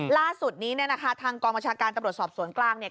ล่าสุดนี้เนี่ยนะคะทางกองบัญชาการตำรวจสอบสวนกลางเนี่ย